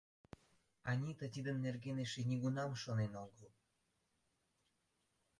Анита тидын нерген эше нигунам шонен огыл.